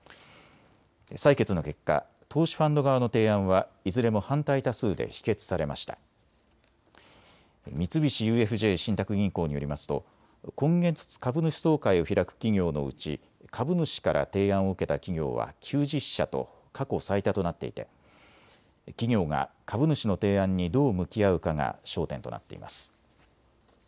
採決の結果、投資ファンド側の提案はいずれも反対多数で否決されました。三菱ＵＦＪ信託銀行によりますと今月、株主総会を開く企業のうち株主から提案を受けた企業は９０社と過去最多となっていて企業が株主の提案にどう向き合うかが焦点となっています。